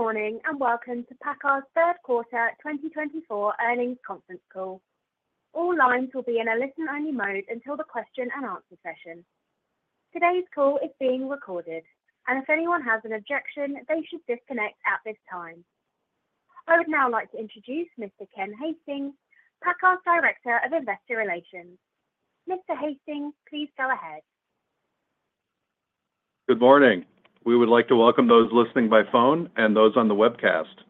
Good morning, and welcome to PACCAR's Third Quarter 2024 Earnings Conference Call. All lines will be in a listen-only mode until the question and answer session. Today's call is being recorded, and if anyone has an objection, they should disconnect at this time. I would now like to introduce Mr. Ken Hastings, PACCAR's Director of Investor Relations. Mr. Hastings, please go ahead. Good morning! We would like to welcome those listening by phone and those on the webcast.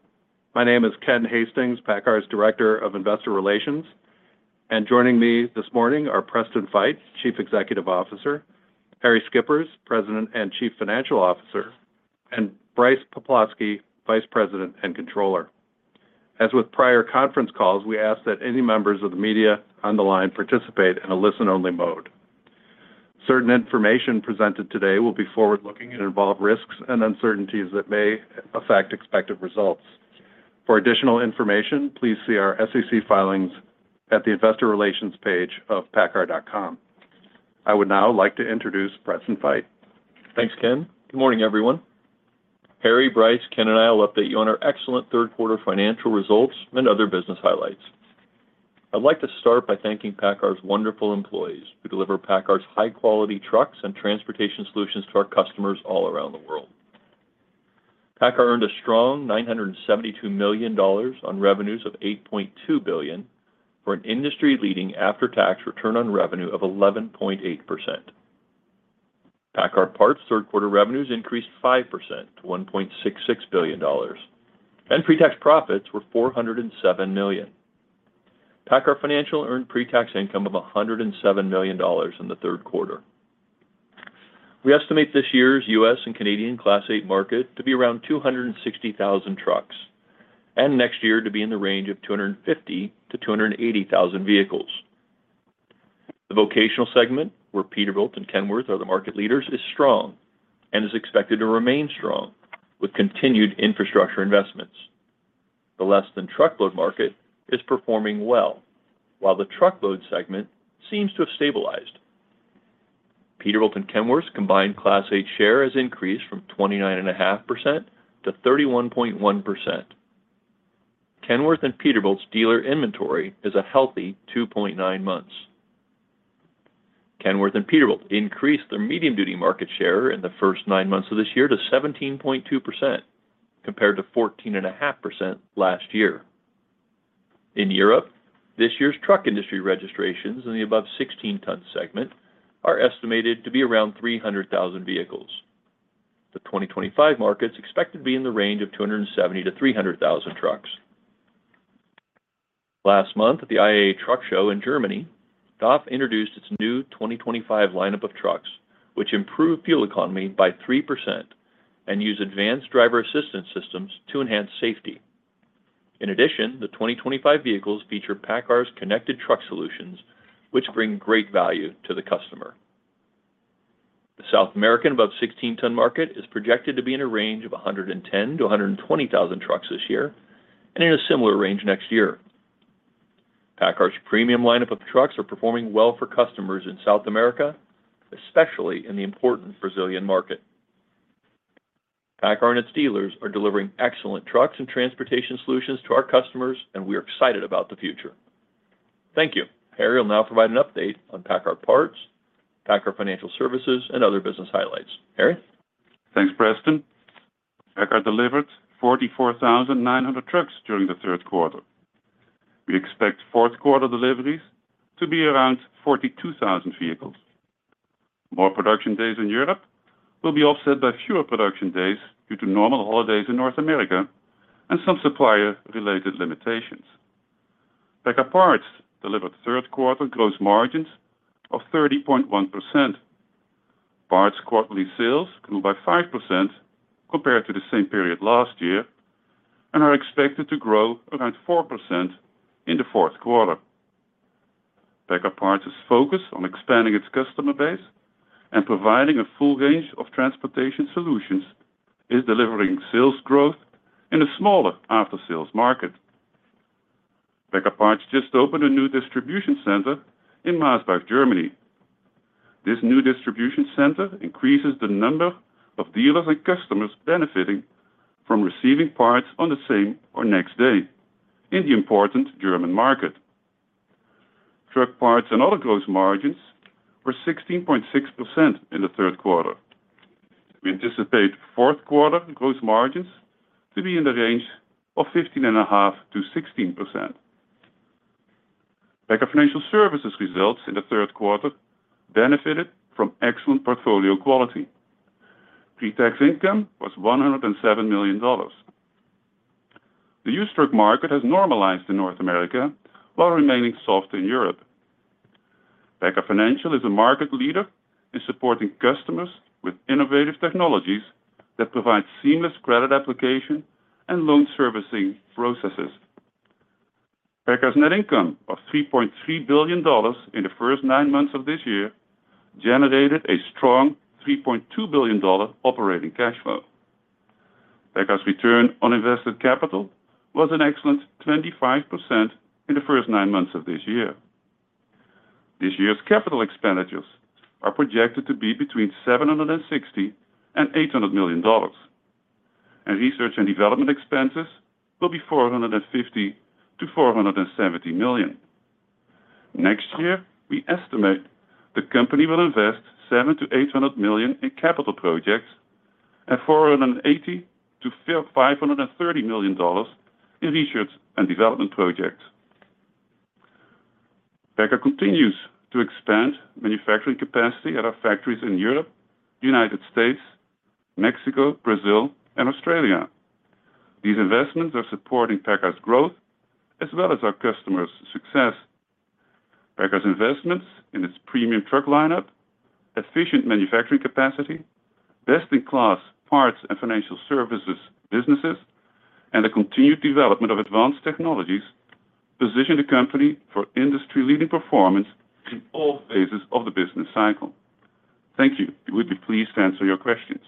My name is Ken Hastings, PACCAR's Director of Investor Relations, and joining me this morning are Preston Feight, Chief Executive Officer, Harrie Schippers, President and Chief Financial Officer, and Brice Poplawski, Vice President and Controller. As with prior conference calls, we ask that any members of the media on the line participate in a listen-only mode. Certain information presented today will be forward-looking and involve risks and uncertainties that may affect expected results. For additional information, please see our SEC filings at the investor relations page of paccar.com. I would now like to introduce Preston Feight. Thanks, Ken. Good morning, everyone. Harrie, Brice, Ken, and I will update you on our excellent third quarter financial results and other business highlights. I'd like to start by thanking PACCAR's wonderful employees, who deliver PACCAR's high-quality trucks and transportation solutions to our customers all around the world. PACCAR earned a strong $972 million on revenues of $8.2 billion, for an industry-leading after-tax return on revenue of 11.8%. PACCAR Parts third quarter revenues increased 5% to $1.66 billion, and pre-tax profits were $407 million. PACCAR Financial earned pre-tax income of $107 million in the third quarter. We estimate this year's U.S. and Canadian Class 8 market to be around 260,000 trucks, and next year to be in the range of 250,000-280,000 vehicles. The vocational segment, where Peterbilt and Kenworth are the market leaders, is strong and is expected to remain strong with continued infrastructure investments. The less than truckload market is performing well, while the truckload segment seems to have stabilized. Peterbilt and Kenworth's combined Class 8 share has increased from 29.5% to 31.1%. Kenworth and Peterbilt's dealer inventory is a healthy 2.9 months. Kenworth and Peterbilt increased their medium-duty market share in the first nine months of this year to 17.2%, compared to 14.5% last year. In Europe, this year's truck industry registrations in the above-16-ton segment are estimated to be around 300,000 vehicles. The 2025 market is expected to be in the range of 270,000-300,000 trucks. Last month, at the IAA Truck Show in Germany, DAF introduced its new 2025 lineup of trucks, which improve fuel economy by 3% and use advanced driver assistance systems to enhance safety. In addition, the 2025 vehicles feature PACCAR's connected truck solutions, which bring great value to the customer. The South American above-16-ton market is projected to be in a range of 110,000-120,000 trucks this year and in a similar range next year. PACCAR's premium lineup of trucks are performing well for customers in South America, especially in the important Brazilian market. PACCAR and its dealers are delivering excellent trucks and transportation solutions to our customers, and we are excited about the future. Thank you. Harrie will now provide an update on PACCAR Parts, PACCAR Financial Services, and other business highlights. Harrie? Thanks, Preston. PACCAR delivered 44,900 trucks during the third quarter. We expect fourth quarter deliveries to be around 42,000 vehicles. More production days in Europe will be offset by fewer production days due to normal holidays in North America and some supplier-related limitations. PACCAR Parts delivered third quarter gross margins of 30.1%. Parts quarterly sales grew by 5% compared to the same period last year and are expected to grow around 4% in the fourth quarter. PACCAR Parts' focus on expanding its customer base and providing a full range of transportation solutions is delivering sales growth in a smaller after-sales market. PACCAR Parts just opened a new distribution center in Massbach, Germany. This new distribution center increases the number of dealers and customers benefiting from receiving parts on the same or next day in the important German market. Truck parts and other gross margins were 16.6% in the third quarter. We anticipate fourth quarter gross margins to be in the range of 15.5%-16%. PACCAR Financial Services results in the third quarter benefited from excellent portfolio quality. Pre-tax income was $107 million. The used truck market has normalized in North America, while remaining soft in Europe. PACCAR Financial is a market leader in supporting customers with innovative technologies that provide seamless credit application and loan servicing processes. PACCAR's net income of $3.3 billion in the first nine months of this year generated a strong $3.2 billion operating cash flow. PACCAR's return on invested capital was an excellent 25% in the first nine months of this year. ... This year's capital expenditures are projected to be between $760 million and $800 million, and research and development expenses will be $450 million-$470 million. Next year, we estimate the company will invest $700 million-$800 million in capital projects and $480 million-$530 million in research and development projects. PACCAR continues to expand manufacturing capacity at our factories in Europe, United States, Mexico, Brazil, and Australia. These investments are supporting PACCAR's growth as well as our customers' success. PACCAR's investments in its premium truck lineup, efficient manufacturing capacity, best-in-class parts and financial services, businesses, and the continued development of advanced technologies position the company for industry-leading performance in all phases of the business cycle. Thank you. We'll be pleased to answer your questions.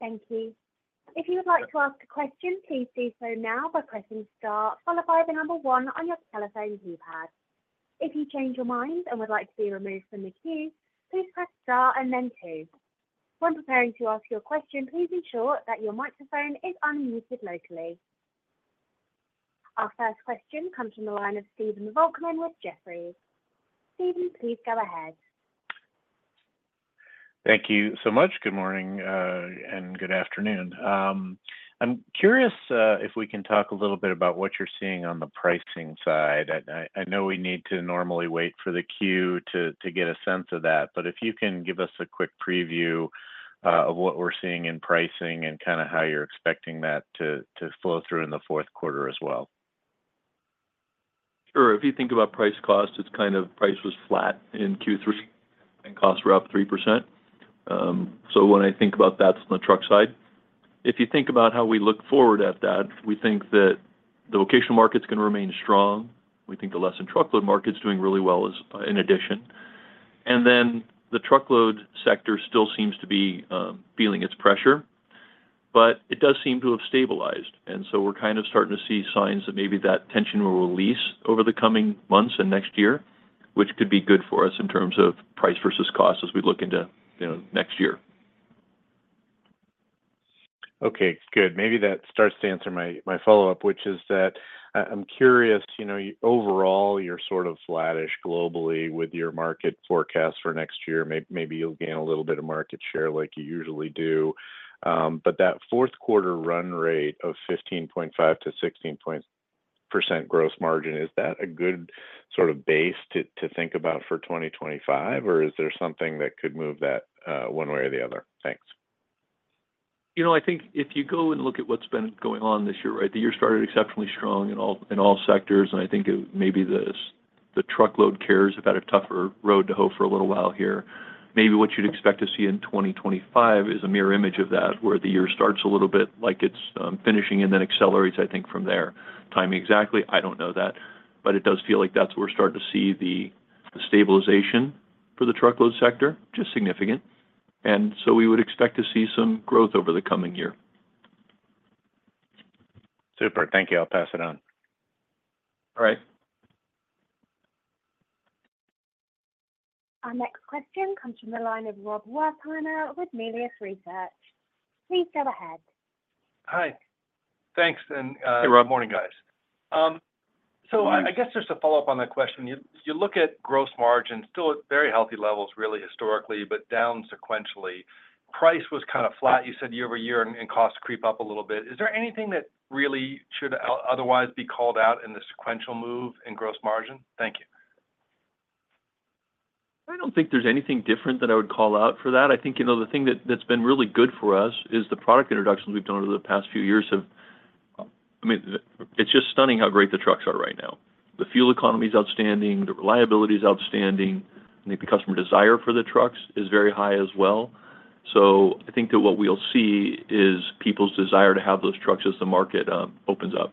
Thank you. If you would like to ask a question, please do so now by pressing Star, followed by the number one on your telephone keypad. If you change your mind and would like to be removed from the queue, please press Star and then two. When preparing to ask your question, please ensure that your microphone is unmuted locally. Our first question comes from the line of Stephen Volkmann with Jefferies. Stephen, please go ahead. Thank you so much. Good morning, and good afternoon. I'm curious if we can talk a little bit about what you're seeing on the pricing side. I know we need to normally wait for the queue to get a sense of that, but if you can give us a quick preview of what we're seeing in pricing and kind of how you're expecting that to flow through in the fourth quarter as well. Sure. If you think about price cost, it's kind of price was flat in Q3, and costs were up 3%. So when I think about that from the truck side, if you think about how we look forward at that, we think that the vocational market is going to remain strong. We think the less-than-truckload market is doing really well as in addition, and then the truckload sector still seems to be feeling its pressure, but it does seem to have stabilized, and so we're kind of starting to see signs that maybe that tension will release over the coming months and next year, which could be good for us in terms of price versus cost as we look into, you know, next year. Okay, good. Maybe that starts to answer my follow-up, which is that I'm curious, you know, overall, you're sort of flattish globally with your market forecast for next year. Maybe you'll gain a little bit of market share like you usually do. But that fourth quarter run rate of 15.5%-16% gross margin, is that a good sort of base to think about for 2025, or is there something that could move that one way or the other? Thanks. You know, I think if you go and look at what's been going on this year, right? The year started exceptionally strong in all, in all sectors, and I think it maybe the truckload carriers have had a tougher road to hoe for a little while here. Maybe what you'd expect to see in 2025 is a mirror image of that, where the year starts a little bit like it's finishing and then accelerates, I think, from there. Timing exactly, I don't know that, but it does feel like that's where we're starting to see the stabilization for the truckload sector, which is significant, and so we would expect to see some growth over the coming year. Super. Thank you. I'll pass it on. All right. Our next question comes from the line of Rob Wertheimer with Melius Research. Please go ahead. Hi. Thanks, and, Hey, Rob. Morning, guys. So I guess just to follow up on that question, you look at gross margin, still at very healthy levels, really, historically, but down sequentially. Price was kind of flat, you said, year over year, and costs creep up a little bit. Is there anything that really should otherwise be called out in the sequential move in gross margin? Thank you. I don't think there's anything different that I would call out for that. I think, you know, the thing that that's been really good for us is the product introductions we've done over the past few years have... I mean, the, it's just stunning how great the trucks are right now. The fuel economy is outstanding, the reliability is outstanding, and the customer desire for the trucks is very high as well. So I think that what we'll see is people's desire to have those trucks as the market opens up.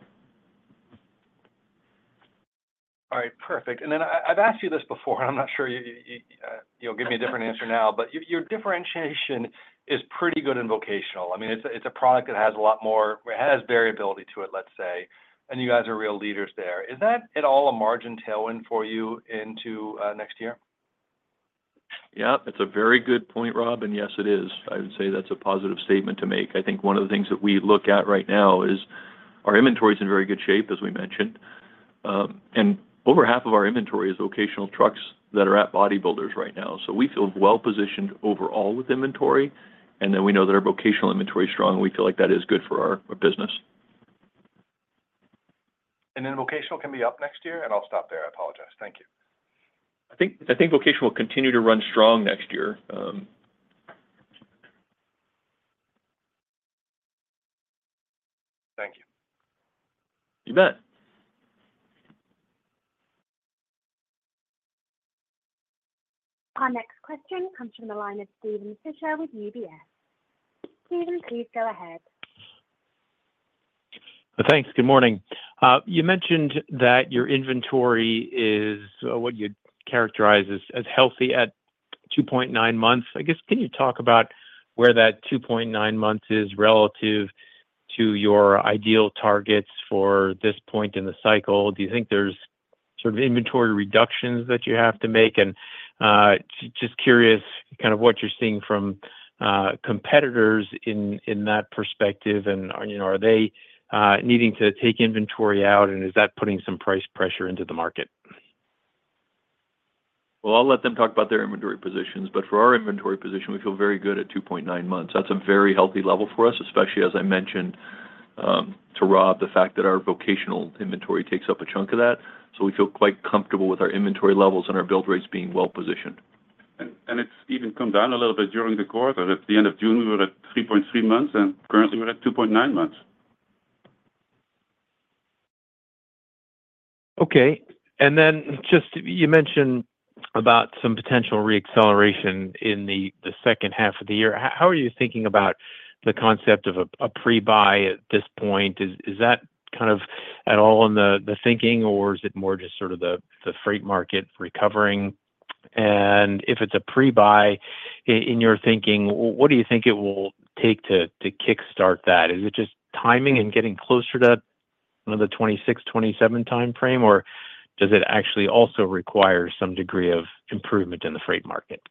All right, perfect. And then I've asked you this before, and I'm not sure you'll give me a different answer now, but your differentiation is pretty good in vocational. I mean, it's a product that has a lot more, it has variability to it, let's say, and you guys are real leaders there. Is that at all a margin tailwind for you into next year? Yeah, it's a very good point, Rob, and yes, it is. I would say that's a positive statement to make. I think one of the things that we look at right now is our inventory is in very good shape, as we mentioned, and over half of our inventory is vocational trucks that are at body builders right now. So we feel well-positioned overall with inventory, and then we know that our vocational inventory is strong, and we feel like that is good for our, our business. And then vocational can be up next year? And I'll stop there. I apologize. Thank you. I think, I think vocational will continue to run strong next year. Thank you. You bet. Our next question comes from the line of Steven Fisher with UBS. Steven, please go ahead.... Thanks. Good morning. You mentioned that your inventory is what you'd characterize as healthy at 2.9 months. I guess, can you talk about where that 2.9 months is relative to your ideal targets for this point in the cycle? Do you think there's sort of inventory reductions that you have to make? And just curious, kind of what you're seeing from competitors in that perspective, and you know, are they needing to take inventory out, and is that putting some price pressure into the market? I'll let them talk about their inventory positions, but for our inventory position, we feel very good at 2.9 months. That's a very healthy level for us, especially as I mentioned to Rob, the fact that our vocational inventory takes up a chunk of that. So we feel quite comfortable with our inventory levels and our build rates being well positioned. It's even come down a little bit during the quarter. At the end of June, we were at three point three months, and currently, we're at two point nine months. Okay. And then just, you mentioned about some potential re-acceleration in the second half of the year. How are you thinking about the concept of a pre-buy at this point? Is that kind of at all in the thinking, or is it more just sort of the freight market recovering? And if it's a pre-buy, in your thinking, what do you think it will take to kickstart that? Is it just timing and getting closer to the 26, 27 time frame, or does it actually also require some degree of improvement in the freight market?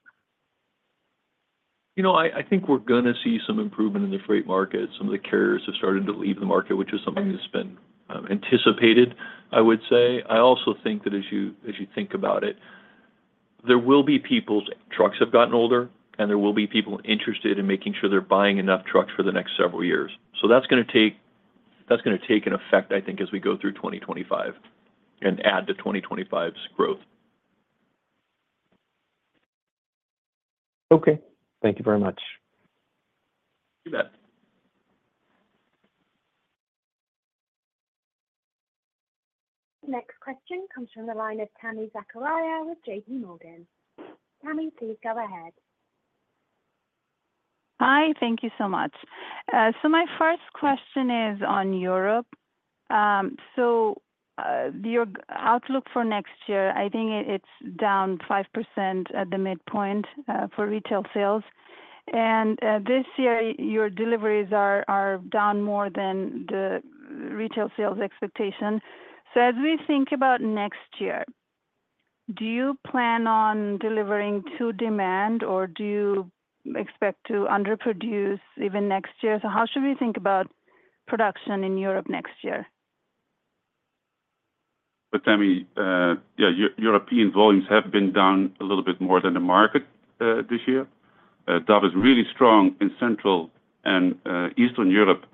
You know, I think we're gonna see some improvement in the freight market. Some of the carriers have started to leave the market, which is something that's been anticipated, I would say. I also think that as you think about it, there will be people's trucks have gotten older, and there will be people interested in making sure they're buying enough trucks for the next several years. So that's gonna take an effect, I think, as we go through 2025 and add to 2025's growth. Okay. Thank you very much. You bet. Next question comes from the line of Tami Zakaria with JPMorgan. Tami, please go ahead. Hi, thank you so much. So my first question is on Europe. So, your outlook for next year, I think it's down 5% at the midpoint for retail sales. And, this year, your deliveries are down more than the retail sales expectation. So as we think about next year, do you plan on delivering to demand, or do you expect to underproduce even next year? So how should we think about production in Europe next year? But Tami, yeah, European volumes have been down a little bit more than the market this year. That is really soft in Central and Eastern Europe,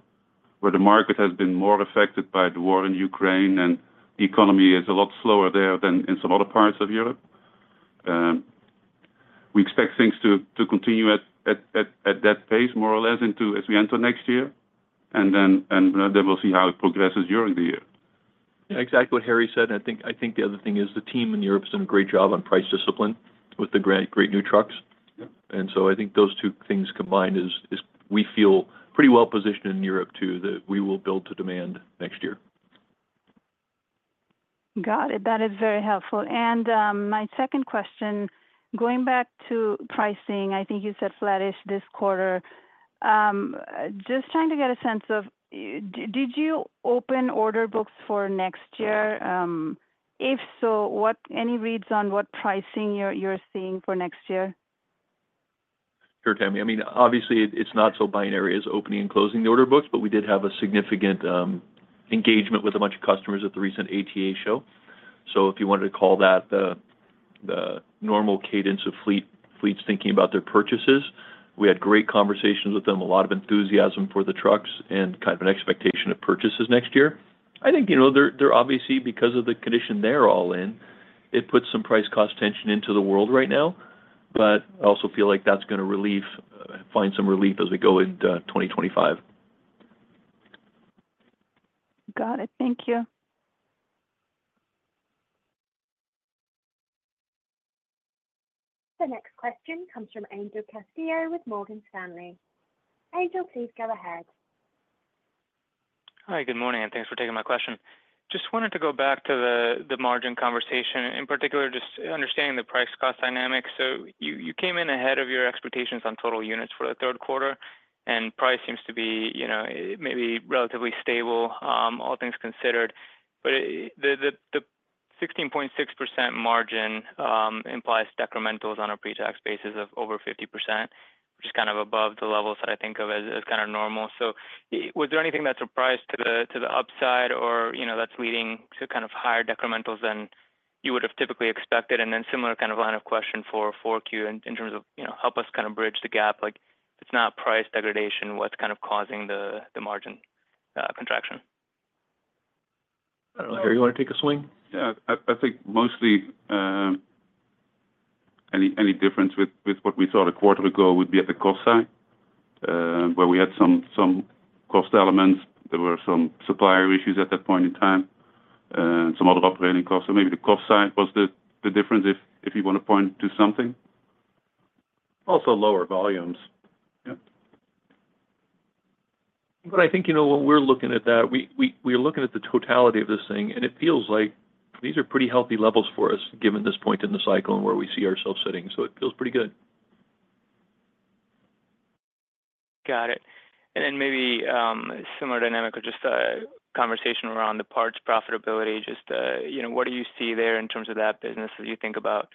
where the market has been more affected by the war in Ukraine, and the economy is a lot slower there than in some other parts of Europe. We expect things to continue at that pace, more or less, into as we enter next year, and then we'll see how it progresses during the year. Yeah, exactly what Harrie said, and I think, I think the other thing is the team in Europe has done a great job on price discipline with the great, great new trucks. Yeah. And so I think those two things combined is we feel pretty well positioned in Europe, too, that we will build to demand next year. Got it. That is very helpful. And, my second question, going back to pricing, I think you said flattish this quarter. Just trying to get a sense of, did you open order books for next year? If so, what... Any reads on what pricing you're seeing for next year? Sure, Tami. I mean, obviously, it's not so binary as opening and closing the order books, but we did have a significant engagement with a bunch of customers at the recent ATA show. So if you wanted to call that the normal cadence of fleets thinking about their purchases, we had great conversations with them, a lot of enthusiasm for the trucks and kind of an expectation of purchases next year. I think, you know, they're obviously, because of the condition they're all in, it puts some price cost tension into the world right now. But I also feel like that's gonna find some relief as we go into 2025. Got it. Thank you. The next question comes from Angel Castillo with Morgan Stanley. Angel, please go ahead. Hi, good morning, and thanks for taking my question. Just wanted to go back to the margin conversation, in particular, just understanding the price cost dynamics. So you came in ahead of your expectations on total units for the third quarter, and price seems to be, you know, maybe relatively stable, all things considered. But it, the 16.6% margin implies decrementals on a pre-tax basis of over 50%, which is kind of above the levels that I think of as kind of normal. So was there anything that surprised to the upside or, you know, that's leading to kind of higher decrementals than you would have typically expected? And then similar kind of line of question for 4Q in terms of, you know, help us kind of bridge the gap. Like, if it's not price degradation, what's kind of causing the margin contraction? I don't know. Harrie, you want to take a swing? Yeah. I think mostly any difference with what we saw a quarter ago would be at the cost side, where we had some cost elements. There were some supplier issues at that point in time, some other operating costs. So maybe the cost side was the difference, if you want to point to something.... Also lower volumes. Yeah. But I think, you know, when we're looking at that, we're looking at the totality of this thing, and it feels like these are pretty healthy levels for us, given this point in the cycle and where we see ourselves sitting. So it feels pretty good. Got it. And then maybe, similar dynamic or just a conversation around the parts profitability, just, you know, what do you see there in terms of that business as you think about,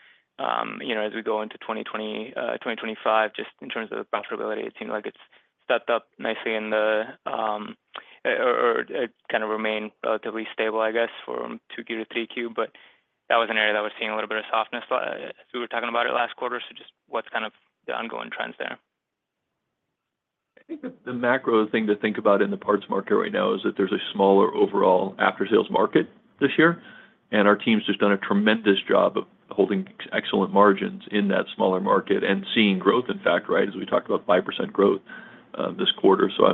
you know, as we go into 2024, 2025, just in terms of the profitability? It seemed like it's stepped up nicely in the, or it kind of remained relatively stable, I guess, for 2Q to 3Q. But that was an area that was seeing a little bit of softness, as we were talking about it last quarter. So just what's kind of the ongoing trends there? I think the macro thing to think about in the parts market right now is that there's a smaller overall aftersales market this year, and our team's just done a tremendous job of holding excellent margins in that smaller market and seeing growth, in fact, right, as we talked about 5% growth this quarter. So I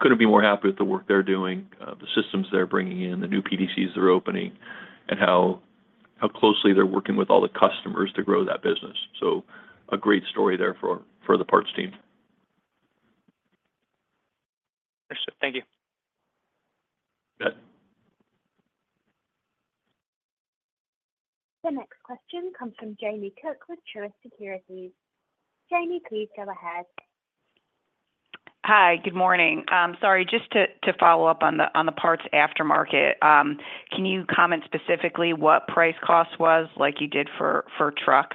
couldn't be more happy with the work they're doing, the systems they're bringing in, the new PDCs they're opening, and how closely they're working with all the customers to grow that business. So a great story there for the parts team. Thank you. You bet. The next question comes from Jamie Cook with Truist Securities. Jamie, please go ahead. Hi, good morning. Sorry, just to follow up on the parts aftermarket, can you comment specifically what price cost was like you did for truck?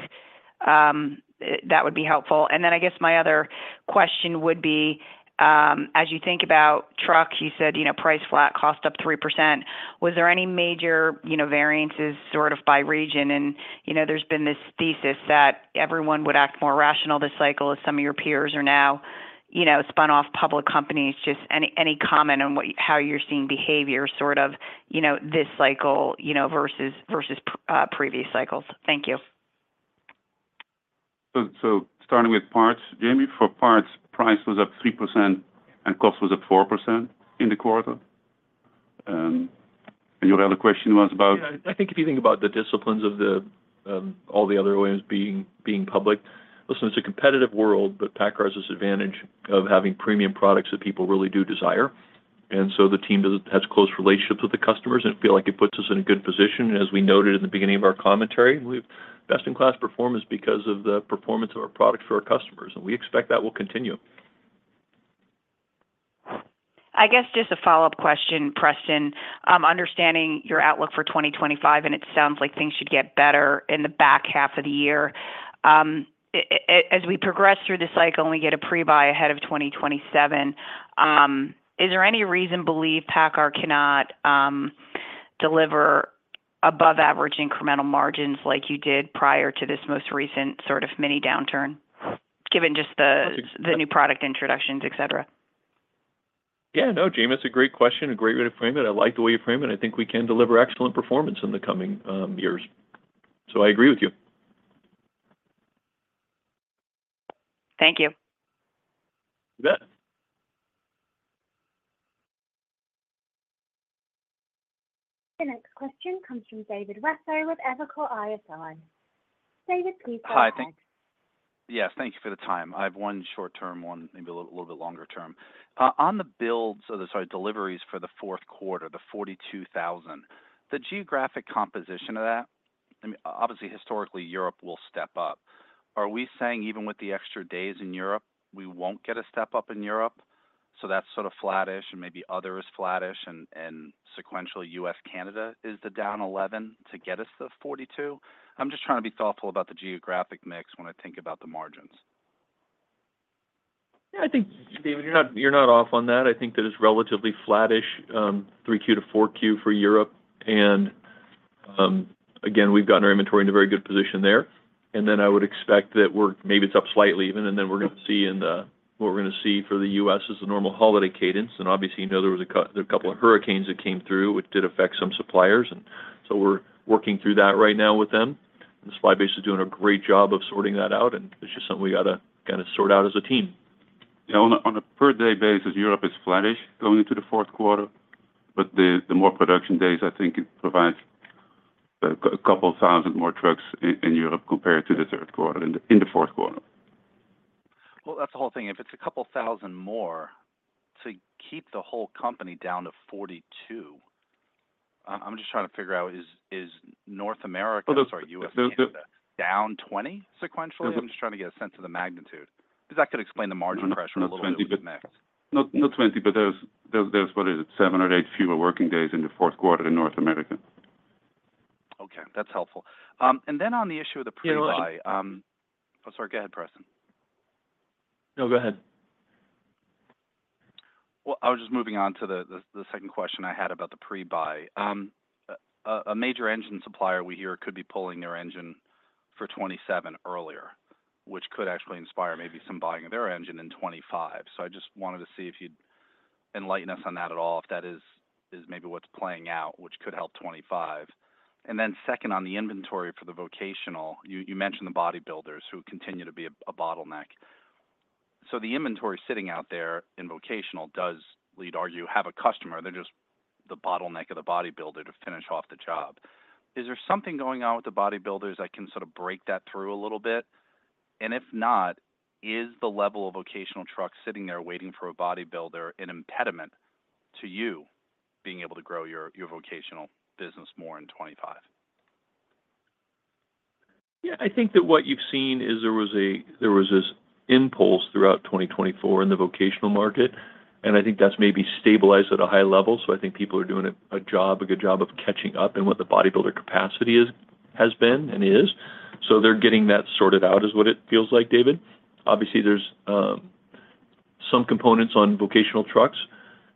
That would be helpful. And then I guess my other question would be, as you think about truck, you said, you know, price flat, cost up 3%. Was there any major, you know, variances sort of by region? And, you know, there's been this thesis that everyone would act more rational this cycle, as some of your peers are now, you know, spun off public companies. Just any comment on what-- how you're seeing behavior sort of, you know, this cycle, you know, versus previous cycles? Thank you. Starting with parts, Jamie, for parts, price was up 3% and cost was up 4% in the quarter, and your other question was about? Yeah, I think if you think about the disciplines of the all the other OEMs being public, listen, it's a competitive world, but PACCAR has this advantage of having premium products that people really do desire. And so the team has close relationships with the customers, and I feel like it puts us in a good position. As we noted in the beginning of our commentary, we've best-in-class performance because of the performance of our product for our customers, and we expect that will continue. I guess just a follow-up question, Preston. Understanding your outlook for 2025, and it sounds like things should get better in the back half of the year. As we progress through this cycle and we get a pre-buy ahead of 2027, is there any reason to believe PACCAR cannot deliver above average incremental margins like you did prior to this most recent sort of mini downturn, given just the- Okay... the new product introductions, et cetera? Yeah, no, Jamie, that's a great question, a great way to frame it. I like the way you frame it. I think we can deliver excellent performance in the coming years. So I agree with you. Thank you. You bet. The next question comes from David Raso with Evercore ISI. David, please go ahead. Hi. Yes, thank you for the time. I have one short term, one maybe a little bit longer term. On the builds, or the, sorry, deliveries for the fourth quarter, the 42,000, the geographic composition of that, I mean, obviously, historically, Europe will step up. Are we saying even with the extra days in Europe, we won't get a step up in Europe? So that's sort of flattish and maybe others flattish and sequential U.S., Canada is the down 11 to get us to 42. I'm just trying to be thoughtful about the geographic mix when I think about the margins. Yeah, I think, David, you're not off on that. I think that it's relatively flattish, 3Q to 4Q for Europe. And again, we've gotten our inventory in a very good position there. And then I would expect that we're maybe it's up slightly even, and then we're gonna see in the what we're gonna see for the U.S. is the normal holiday cadence. And obviously, you know, there was a couple of hurricanes that came through, which did affect some suppliers, and so we're working through that right now with them. The supply base is doing a great job of sorting that out, and it's just something we got to kind of sort out as a team. Yeah, on a per day basis, Europe is flattish going into the fourth quarter, but the more production days, I think it provides a couple thousand more trucks in Europe compared to the third quarter, in the fourth quarter. That's the whole thing. If it's a couple thousand more to keep the whole company down to 42, I'm just trying to figure out, is North America- Well, those-... or U.S., Canada down 20 sequentially? Those- I'm just trying to get a sense of the magnitude, because that could explain the margin pressure- No, not 20... a little bit with mix. Not 20, but there's what is it? Seven or eight fewer working days in the fourth quarter in North America. Okay, that's helpful. And then on the issue of the pre-buy. Oh, sorry. Go ahead, Preston. No, go ahead. I was just moving on to the second question I had about the pre-buy. A major engine supplier we hear could be pulling their engine for 2027 earlier, which could actually inspire maybe some buying of their engine in 2025. I just wanted to see if you'd enlighten us on that at all, if that is maybe what's playing out, which could help 2025. Second, on the inventory for the vocational, you mentioned the body builders who continue to be a bottleneck. The inventory sitting out there in vocational does already have a customer. They're just the bottleneck of the bodybuilder to finish off the job. Is there something going on with the bodybuilders that can sort of break that through a little bit? And if not, is the level of vocational trucks sitting there waiting for a bodybuilder an impediment to you being able to grow your, your vocational business more in 2025? Yeah, I think that what you've seen is there was this impulse throughout 2024 in the vocational market, and I think that's maybe stabilized at a high level. So I think people are doing a good job of catching up in what the bodybuilder capacity is, has been and is. So they're getting that sorted out, is what it feels like, David. Obviously, there's some components on vocational trucks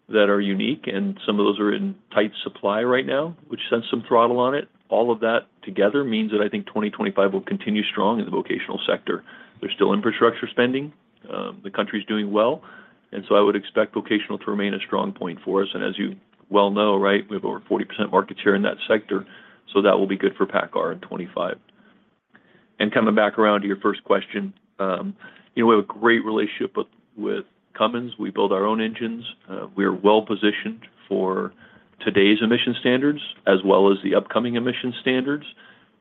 that are unique, and some of those are in tight supply right now, which sends some throttle on it. All of that together means that I think 2025 will continue strong in the vocational sector. There's still infrastructure spending. The country's doing well, and so I would expect vocational to remain a strong point for us, and as you well know, right, we have over 40% market share in that sector, so that will be good for PACCAR in 2025, and coming back around to your first question, you know, we have a great relationship with Cummins. We build our own engines. We are well-positioned for today's emission standards, as well as the upcoming emission standards,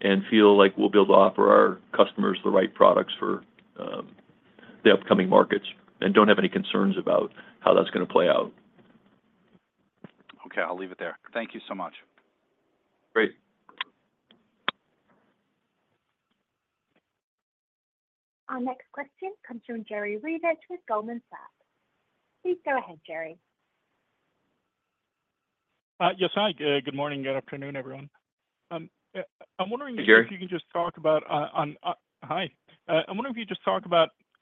and feel like we'll be able to offer our customers the right products for the upcoming markets, and don't have any concerns about how that's gonna play out. Okay, I'll leave it there. Thank you so much. Great. Our next question comes from Jerry Revich with Goldman Sachs. Please go ahead, Jerry. Yes. Hi, good morning, good afternoon, everyone. I'm wondering- Hey, Jerry I wonder if you could just talk about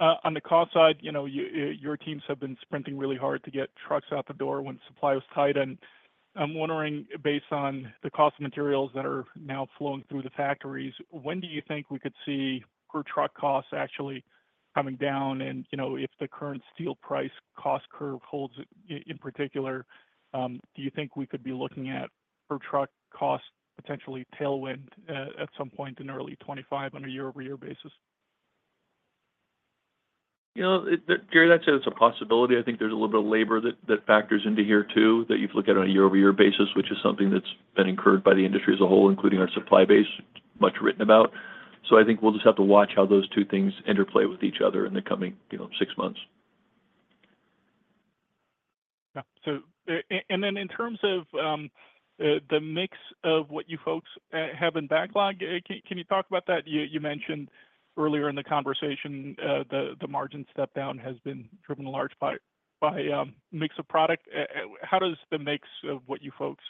on the cost side, you know, your teams have been sprinting really hard to get trucks out the door when supply was tight, and I'm wondering, based on the cost of materials that are now flowing through the factories, when do you think we could see per truck costs actually coming down? And, you know, if the current steel price cost curve holds, in particular, do you think we could be looking at per truck cost potentially tailwind at some point in early 2025 on a year-over-year basis? You know, that, Jerry, I'd say it's a possibility. I think there's a little bit of labor that factors into here too, that you've looked at on a year-over-year basis, which is something that's been incurred by the industry as a whole, including our supply base. Much written about. So I think we'll just have to watch how those two things interplay with each other in the coming, you know, six months. Yeah. So and then in terms of the mix of what you folks have in backlog, can you talk about that? You mentioned earlier in the conversation, the margin step-down has been driven largely by mix of product. And how does the mix of what you folks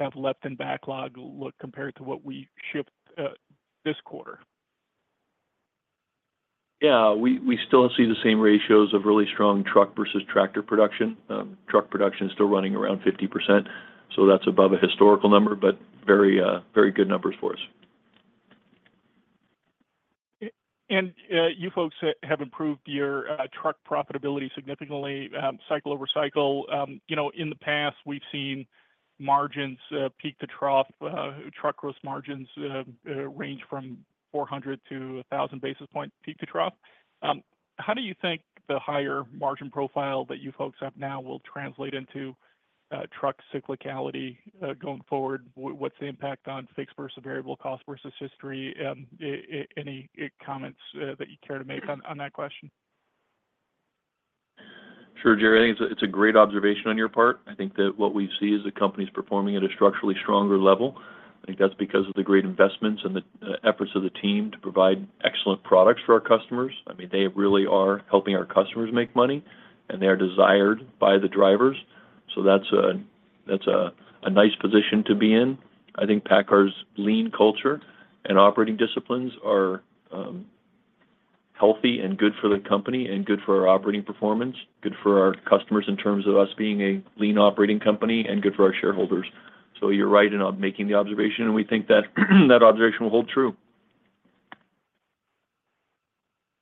have left in backlog look compared to what we shipped this quarter? Yeah, we still see the same ratios of really strong truck versus tractor production. Truck production is still running around 50%, so that's above a historical number, but very, very good numbers for us. And you folks have improved your truck profitability significantly, cycle-over-cycle. You know, in the past, we've seen margins, peak to trough, truck gross margins, range from 400-1,000 basis points, peak to trough. How do you think the higher margin profile that you folks have now will translate into truck cyclicality going forward? What's the impact on fixed versus variable cost versus history? Any comments that you care to make on that question? Sure, Jerry, I think it's a great observation on your part. I think that what we see is the company's performing at a structurally stronger level. I think that's because of the great investments and the efforts of the team to provide excellent products for our customers. I mean, they really are helping our customers make money, and they are desired by the drivers, so that's a nice position to be in. I think PACCAR's lean culture and operating disciplines are healthy and good for the company and good for our operating performance, good for our customers in terms of us being a lean operating company, and good for our shareholders. So you're right in making the observation, and we think that that observation will hold true.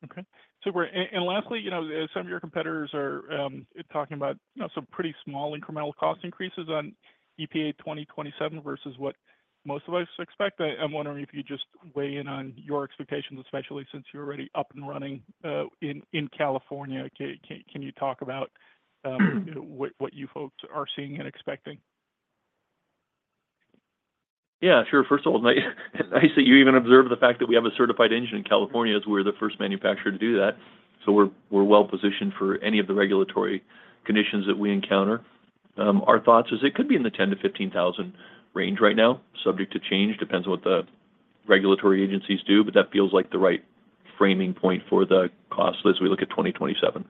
Okay. Super. And lastly, you know, as some of your competitors are talking about, you know, some pretty small incremental cost increases on EPA 2027 versus what most of us expect, I'm wondering if you just weigh in on your expectations, especially since you're already up and running in California. Can you talk about what you folks are seeing and expecting? Yeah, sure. First of all, nice that you even observed the fact that we have a certified engine in California, as we're the first manufacturer to do that. So we're well positioned for any of the regulatory conditions that we encounter. Our thoughts is it could be in the 10,000-15,000 range right now, subject to change, depends on what the regulatory agencies do, but that feels like the right framing point for the cost as we look at 2027.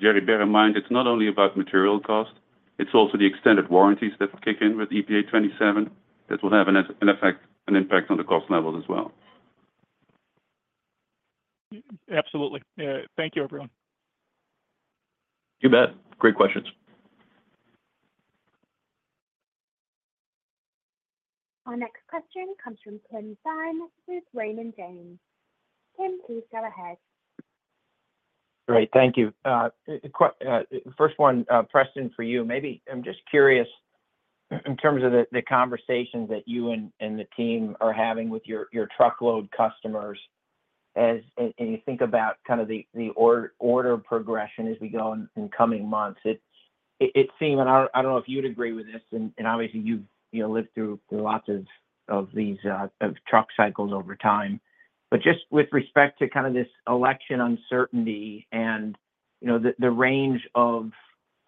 Jerry, bear in mind, it's not only about material cost, it's also the extended warranties that will kick in with EPA 2027. That will have an impact on the cost level as well. Absolutely. Thank you, everyone. You bet. Great questions. Our next question comes from Tim Thein with Raymond James. Tim, please go ahead. Great. Thank you. First one, Preston, for you. Maybe I'm just curious. In terms of the conversations that you and the team are having with your truckload customers, as you think about kind of the order progression as we go in coming months, it seems, and I don't know if you'd agree with this, and obviously you've you know lived through lots of these truck cycles over time. But just with respect to kind of this election uncertainty and, you know, the range of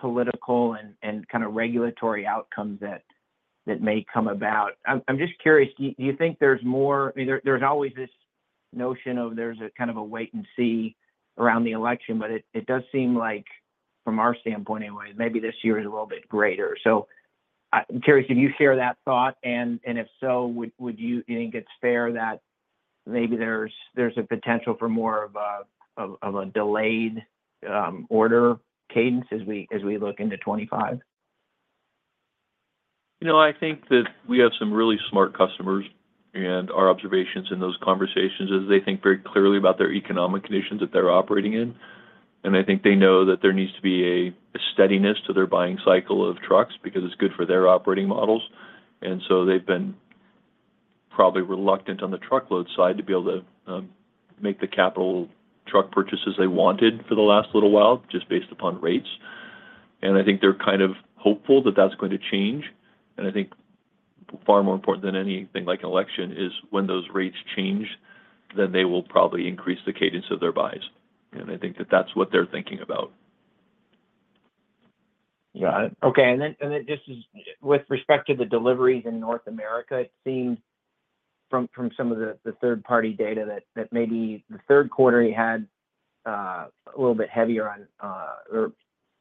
political and kind of regulatory outcomes that may come about, I'm just curious, do you think there's more. I mean, there's always this notion of there's a kind of a wait and see around the election, but it does seem like, from our standpoint anyway, maybe this year is a little bit greater. So, I'm curious, do you share that thought? And if so, would you think it's fair that maybe there's a potential for more of a delayed order cadence as we look into 2025? You know, I think that we have some really smart customers, and our observations in those conversations is they think very clearly about their economic conditions that they're operating in. And I think they know that there needs to be a steadiness to their buying cycle of trucks because it's good for their operating models. And so they've been probably reluctant on the truckload side to be able to make the capital truck purchases they wanted for the last little while, just based upon rates. And I think they're kind of hopeful that that's going to change. And I think far more important than anything like an election is when those rates change, then they will probably increase the cadence of their buys. And I think that that's what they're thinking about. Got it. Okay, and then just as with respect to the deliveries in North America, it seems from some of the third-party data that maybe the third quarter you had a little bit heavier on or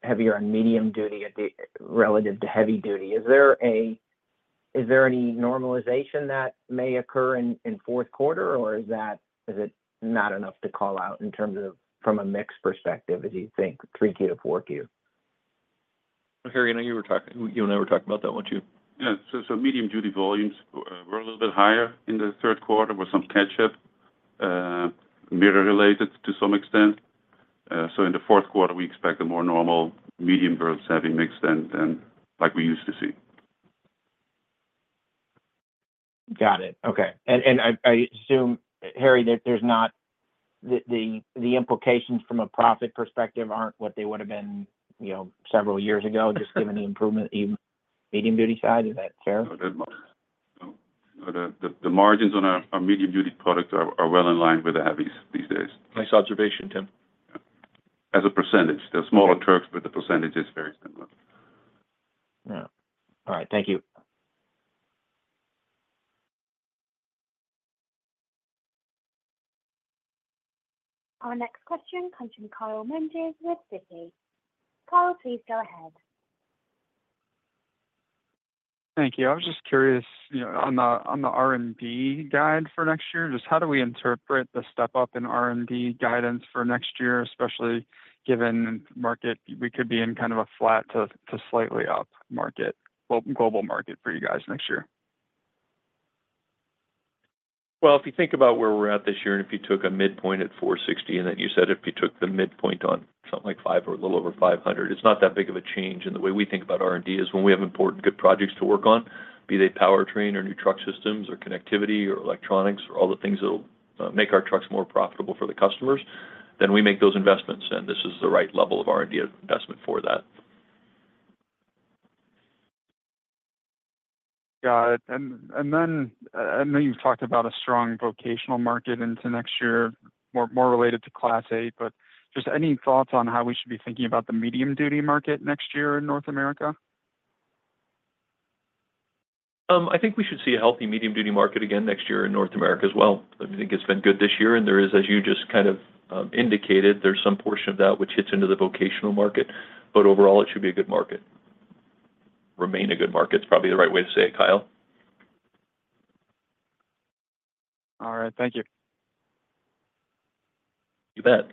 heavier on medium duty relative to heavy duty. Is there any normalization that may occur in fourth quarter, or is that not enough to call out in terms of from a mix perspective, as you think, 3Q to 4Q? Harrie, I know you were talking-- you and I were talking about that, weren't you? Yeah. So medium duty volumes were a little bit higher in the third quarter with some catch up, merely related to some extent. So in the fourth quarter, we expect a more normal medium versus heavy mix than like we used to see. Got it. Okay. And I assume, Harrie, that the implications from a profit perspective aren't what they would have been, you know, several years ago, just given the improvement in medium duty side. Is that fair? No, that much. So the margins on our medium duty products are well in line with the heavies these days. Nice observation, Tim. As a percentage, they're smaller trucks, but the percentage is very similar. Yeah. All right. Thank you. Our next question comes from Kyle Menges with Citi. Kyle, please go ahead. Thank you. I was just curious, you know, on the R&D guide for next year, just how do we interpret the step up in R&D guidance for next year, especially given market, we could be in kind of a flat to slightly up market, global market for you guys next year? If you think about where we're at this year, and if you took a midpoint at 460, and then you said if you took the midpoint on something like 500 or a little over 500, it's not that big of a change. And the way we think about R&D is when we have important good projects to work on, be they powertrain or new truck systems or connectivity or electronics, or all the things that'll make our trucks more profitable for the customers, then we make those investments, and this is the right level of R&D investment for that. Got it. And then, I know you've talked about a strong vocational market into next year, more related to Class 8, but just any thoughts on how we should be thinking about the medium-duty market next year in North America? I think we should see a healthy medium duty market again next year in North America as well. I think it's been good this year, and there is, as you just kind of indicated, there's some portion of that which hits into the vocational market, but overall, it should be a good market. Remain a good market is probably the right way to say it, Kyle. All right. Thank you. You bet.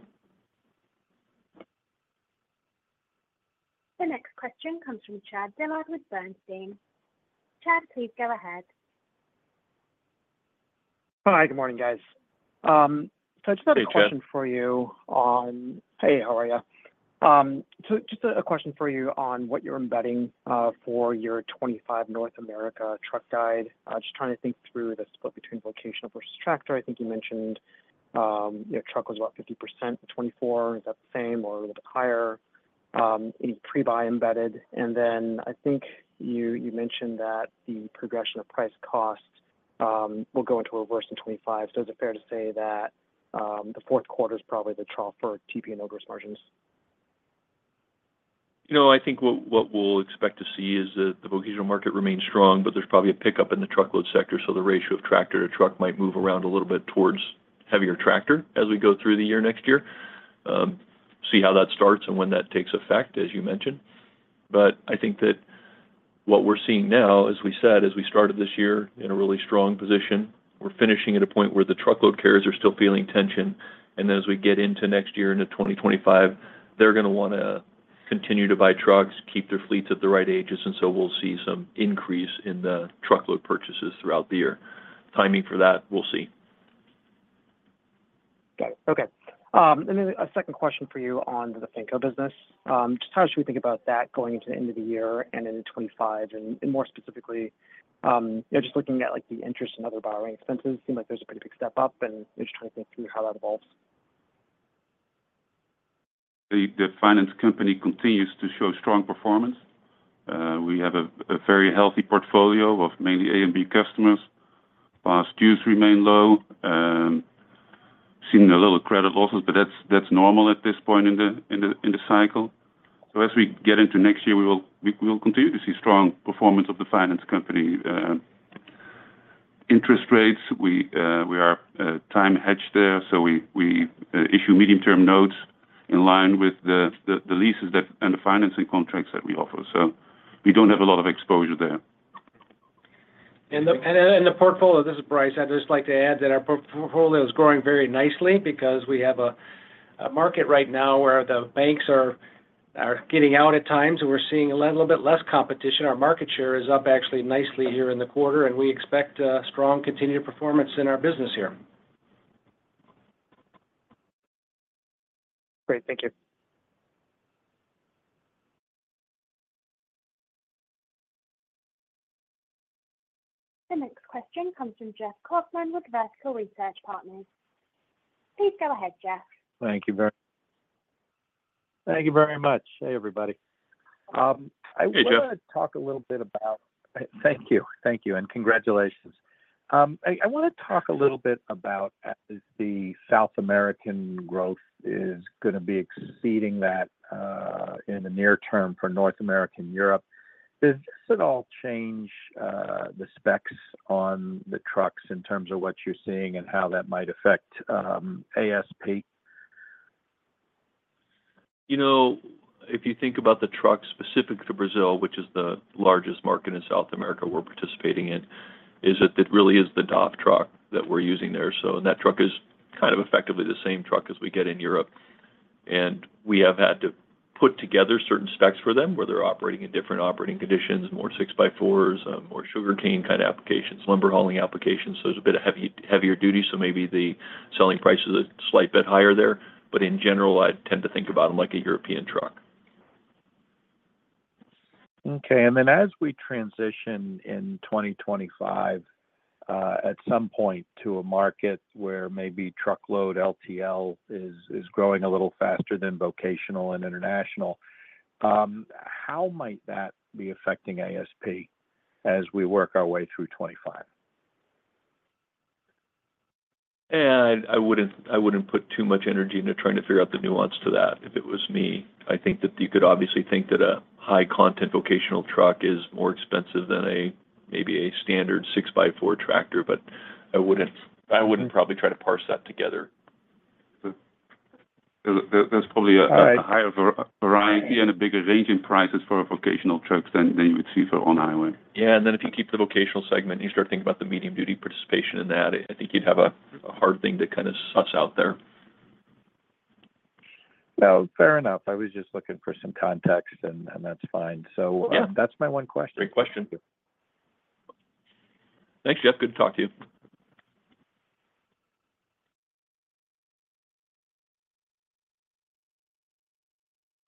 The next question comes from Chad Dillard with Bernstein. Chad, please go ahead. Hi, good morning, guys. So I just have- Hey, Chad Hey, how are you? So just a question for you on what you're embedding for your 2025 North America truck guide. I'm just trying to think through the split between vocational versus tractor. I think you mentioned your truck was about 50% in 2024. Is that the same or a little bit higher, any pre-buy embedded? And then I think you mentioned that the progression of price costs will go into reverse in 2025. So is it fair to say that the fourth quarter is probably the trough for TP and gross margins? You know, I think what we'll expect to see is that the vocational market remains strong, but there's probably a pickup in the truckload sector, so the ratio of tractor to truck might move around a little bit towards heavier tractor as we go through the year next year. See how that starts and when that takes effect, as you mentioned. But I think that what we're seeing now, as we said, as we started this year in a really strong position, we're finishing at a point where the truckload carriers are still feeling tension. And then as we get into next year, into 2025, they're gonna wanna continue to buy trucks, keep their fleets at the right ages, and so we'll see some increase in the truckload purchases throughout the year. Timing for that, we'll see. Okay. And then a second question for you on the Finco business. Just how should we think about that going into the end of the year and into 2025? And more specifically, you know, just looking at, like, the interest and other borrowing expenses, seem like there's a pretty big step up, and just trying to think through how that evolves. The finance company continues to show strong performance. We have a very healthy portfolio of mainly A and B customers. Past dues remain low. Seeing a little credit losses, but that's normal at this point in the cycle. So as we get into next year, we will continue to see strong performance of the finance company. Interest rates, we are time hedged there, so we issue medium-term notes in line with the leases that, and the financing contracts that we offer. So we don't have a lot of exposure there. The portfolio, this is Brice. I'd just like to add that our portfolio is growing very nicely because we have a market right now where the banks are getting out at times, and we're seeing a little bit less competition. Our market share is up actually nicely here in the quarter, and we expect a strong continued performance in our business here. Great. Thank you. The next question comes from Jeff Kauffman with Vertical Research Partners. Please go ahead, Jeff. Thank you very much. Hey, everybody. I- Hey, Jeff. Thank you. Thank you, and congratulations. I wanna talk a little bit about, as the South American growth is gonna be exceeding that, in the near term for North America and Europe. Does this at all change the specs on the trucks in terms of what you're seeing and how that might affect ASP? You know, if you think about the trucks specific to Brazil, which is the largest market in South America we're participating in, is that it really is the DAF truck that we're using there. So and that truck is kind of effectively the same truck as we get in Europe, and we have had to put together certain specs for them, where they're operating in different operating conditions, more six by fours, more sugarcane kind of applications, lumber hauling applications. So there's a bit of heavier duty, so maybe the selling price is a slight bit higher there. But in general, I'd tend to think about them like a European truck. Okay, and then as we transition in 2025, at some point to a market where maybe truckload LTL is growing a little faster than vocational and international, how might that be affecting ASP as we work our way through 2025? I wouldn't put too much energy into trying to figure out the nuance to that, if it was me. I think that you could obviously think that a high-content vocational truck is more expensive than a, maybe a standard six by four tractor, but I wouldn't probably try to parse that together. There's probably a- All right... a higher variety and a bigger range in prices for vocational trucks than you would see for on highway. Yeah, and then if you keep the vocational segment, you start thinking about the medium-duty participation in that. I think you'd have a hard thing to kind of suss out there. Fair enough. I was just looking for some context, and, and that's fine. Yeah. So that's my one question. Great question. Thank you. Thanks, Jeff. Good to talk to you.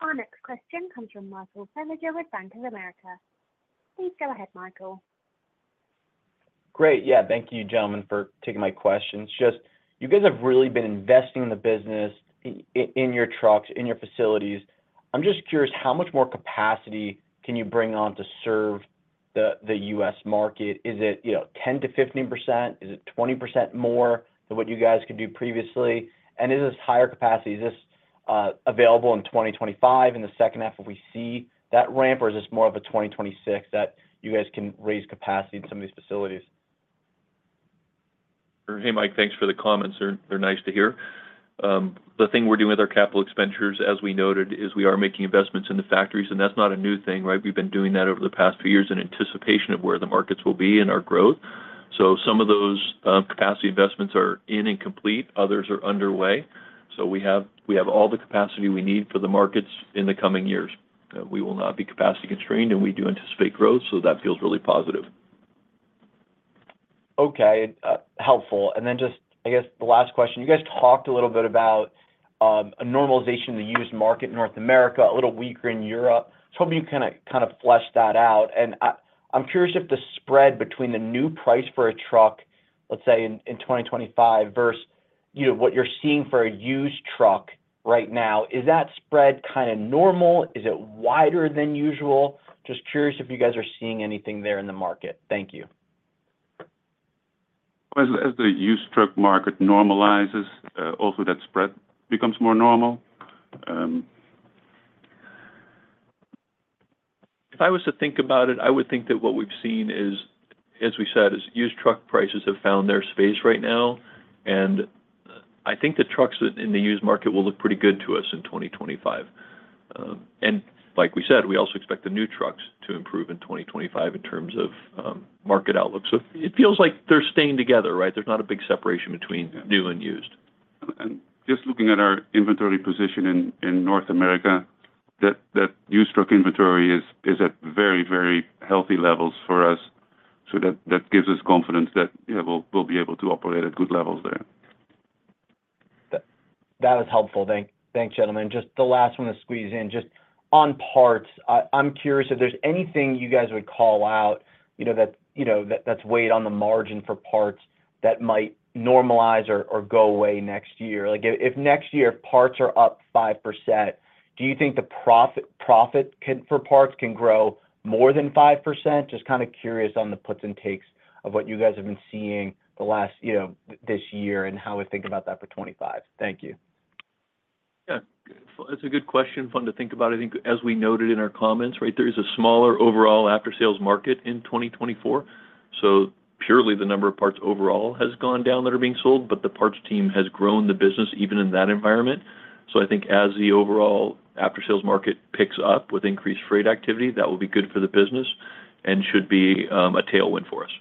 Our next question comes from Michael Feniger with Bank of America. Please go ahead, Michael. Great. Yeah, thank you, gentlemen, for taking my questions. Just, you guys have really been investing in the business, in your trucks, in your facilities. I'm just curious, how much more capacity can you bring on to serve the U.S. market? Is it, you know, 10%-15%? Is it 20% more than what you guys could do previously? And is this higher capacity, is this available in 2025, in the second half? Will we see that ramp, or is this more of a 2026 that you guys can raise capacity in some of these facilities? Hey, Mike, thanks for the comments. They're nice to hear. The thing we're doing with our Capital expenditures, as we noted, is we are making investments in the factories, and that's not a new thing, right? We've been doing that over the past few years in anticipation of where the markets will be and our growth. So some of those capacity investments are in and complete, others are underway. So we have all the capacity we need for the markets in the coming years. We will not be capacity constrained, and we do anticipate growth, so that feels really positive. Okay, helpful. And then just, I guess, the last question, you guys talked a little bit about a normalization of the used market in North America, a little weaker in Europe. Just hoping you can kind of flesh that out. And I, I'm curious if the spread between the new price for a truck, let's say in 2025 versus, you know, what you're seeing for a used truck right now, is that spread kind of normal? Is it wider than usual? Just curious if you guys are seeing anything there in the market. Thank you. As the used truck market normalizes, also that spread becomes more normal. If I was to think about it, I would think that what we've seen is, as we said, is used truck prices have found their space right now, and I think the trucks in the used market will look pretty good to us in 2025, and like we said, we also expect the new trucks to improve in 2025 in terms of market outlook. So it feels like they're staying together, right? There's not a big separation between new and used. Just looking at our inventory position in North America, the used truck inventory is at very, very healthy levels for us. So that gives us confidence that, yeah, we'll be able to operate at good levels there. That was helpful. Thanks, gentlemen. Just the last one to squeeze in, just on parts, I'm curious if there's anything you guys would call out, you know, that's weighed on the margin for parts that might normalize or go away next year. Like, if next year parts are up 5%, do you think the profit for parts can grow more than 5%? Just kind of curious on the puts and takes of what you guys have been seeing this year and how we think about that for 2025. Thank you. Yeah. That's a good question. Fun to think about. I think as we noted in our comments, right, there is a smaller overall aftersales market in 2024, so purely the number of parts overall has gone down that are being sold, but the parts team has grown the business even in that environment. So I think as the overall aftersales market picks up with increased freight activity, that will be good for the business and should be a tailwind for us.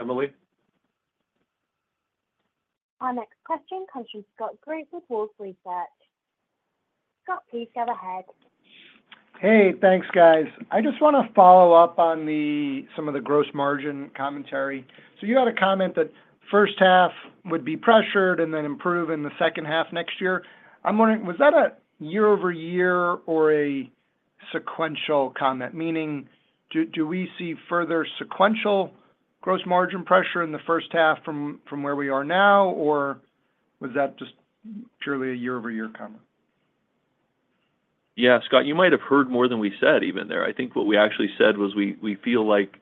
Emily? Our next question comes from Scott Group with Wolfe Research. Scott, please go ahead. Hey, thanks, guys. I just want to follow up on the, some of the gross margin commentary. So you had a comment that first half would be pressured and then improve in the second half next year. I'm wondering, was that a year-over-year or a sequential comment? Meaning, do we see further sequential gross margin pressure in the first half from where we are now, or was that just purely a year-over-year comment? Yeah, Scott, you might have heard more than we said even there. I think what we actually said was we feel like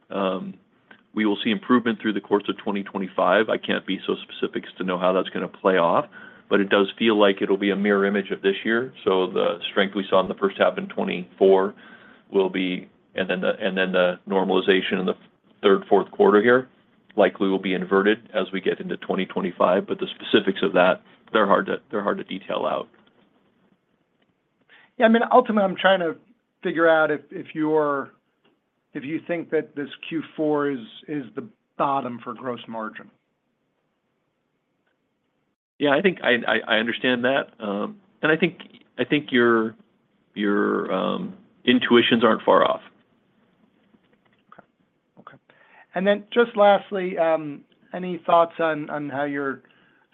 we will see improvement through the course of 2025. I can't be so specific as to know how that's going to play off, but it does feel like it'll be a mirror image of this year. So the strength we saw in the first half in 2024 will be... And then the normalization in the third, fourth quarter here likely will be inverted as we get into 2025. But the specifics of that, they're hard to detail out. Yeah, I mean, ultimately, I'm trying to figure out if you think that this Q4 is the bottom for gross margin. Yeah, I think I understand that, and I think your intuitions aren't far off. Okay. And then just lastly, any thoughts on how you're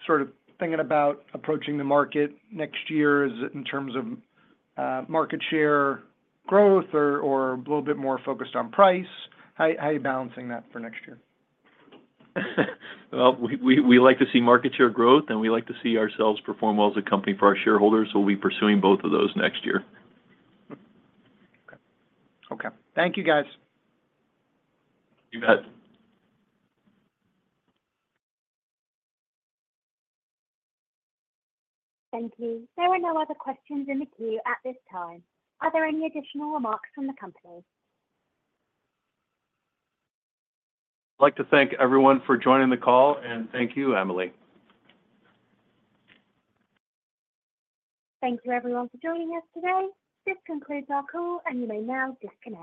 sort of thinking about approaching the market next year in terms of market share growth or a little bit more focused on price? How are you balancing that for next year? We like to see market share growth, and we like to see ourselves perform well as a company for our shareholders, so we'll be pursuing both of those next year. Okay. Thank you, guys. You bet. Thank you. There are no other questions in the queue at this time. Are there any additional remarks from the company? I'd like to thank everyone for joining the call, and thank you, Emily. Thank you everyone for joining us today. This concludes our call, and you may now disconnect.